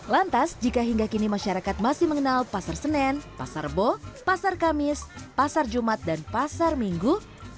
lantas jika hingga kini masyarakat masih mengenal pasar senen pasar rebo pasar kamis pasar jumat dan pasar minggu